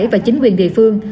và chính quyền địa phương